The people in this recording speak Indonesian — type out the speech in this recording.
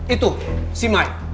itu si mike